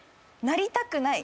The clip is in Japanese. なりたくない？